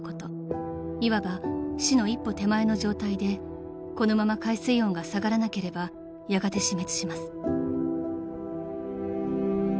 ［いわば死の一歩手前の状態でこのまま海水温が下がらなければやがて死滅します］